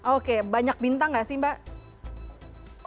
oke banyak bintang nggak sih mbak